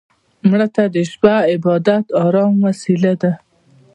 مړه ته د شپه عبادت د ارام وسيله ده